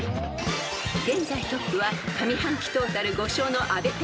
［現在トップは上半期トータル５勝の阿部ペア］